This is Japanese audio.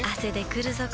くるぞ？